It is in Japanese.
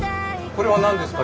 これは何ですか？